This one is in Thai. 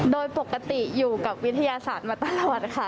โดยปกติอยู่กับวิทยาศาสตร์มาตลอดค่ะ